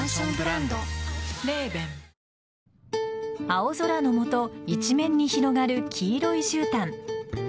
青空の下一面に広がる黄色いじゅうたん。